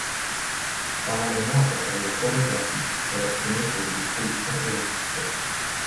Parallèlement à sa carrière pornographique, elle a tourné pour des productions érotiques soft.